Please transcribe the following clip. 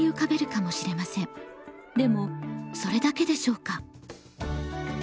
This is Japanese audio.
でもそれだけでしょうか？